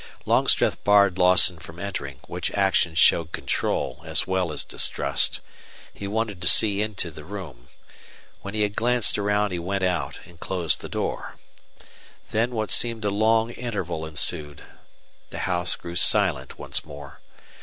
Longstreth barred Lawson from entering, which action showed control as well as distrust. He wanted to see into the room. When he had glanced around he went out and closed the door. Then what seemed a long interval ensued. The house grew silent once more.